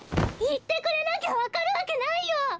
言ってくれなきゃ分かるわけないよ。